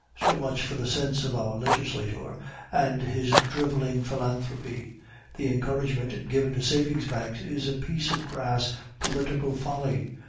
So much for the sense of our legislator and his driveling philanthropy. The encouragement given to savings banks is a piece of crass political folly.